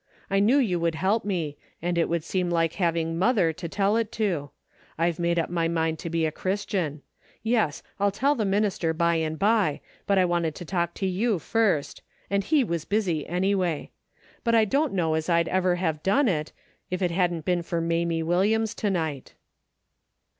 I knew you would help me, and it would seem some like having mother to tell it to. I've made up my mind to be a Christian. Yes, I'll tell the minister by and by, but I wanted to talk to you first, and he was busy anyway. But I don't know as I'd ever have done it, if it hadn't been for Mamie Williams to night."